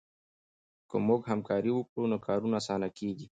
که موږ همکاري وکړو نو کارونه اسانه کېږي.